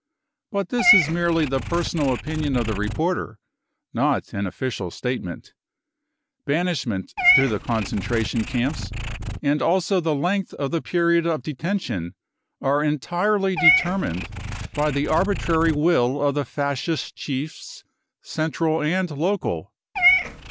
But this is merely the personal opinion of the reporter, not an official statement. Banishment to the concentration camps and also the length of the period of detention are entirely determined by the arbitrary will of the Fascist chiefs, central and local.